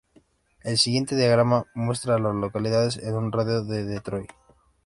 El siguiente diagrama muestra a las localidades en un radio de de Troy.